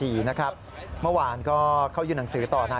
หัวหน้าพนักงานสอบสวนคดีทำคดีนี้จนจบ